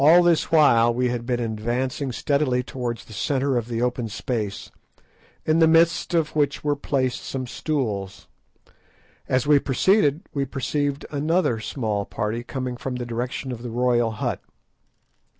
All this while we had been advancing steadily towards the centre of the open space, in the midst of which were placed some stools. As we proceeded we perceived another small party coming from the direction of the royal hut.